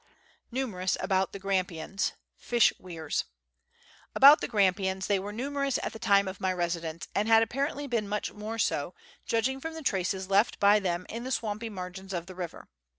Numerous about the Gramjjians. Fish Weirs. About the Grampians they were numerous at the time of my residence, and had apparently been much more so, judging from the traces left by them in the swampy margins of the river.